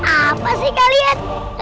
apa sih kalian